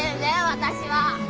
私は。